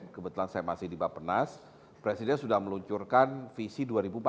kebetulan saya masih di bappenas presiden sudah meluncurkan visi dua ribu empat puluh lima